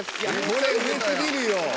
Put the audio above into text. これ上すぎるよ。